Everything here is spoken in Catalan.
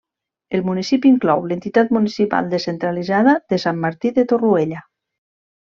El municipi inclou l'entitat municipal descentralitzada de Sant Martí de Torroella.